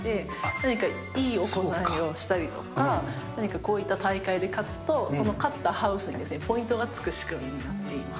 何かいい行いをしたりとか、何かこういった大会で勝つと、その勝ったハウスが、ポイントがつく仕組みになっています。